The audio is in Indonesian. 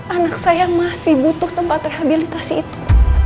anak saya masih butuh tempat rehabilitasi itu